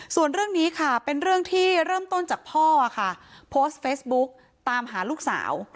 ส่วนเรื่องนี้ค่ะเป็นเรื่องที่เริ่มต้นจากพ่อค่ะโพสต์เฟซบุ๊กตามหาลูกสาว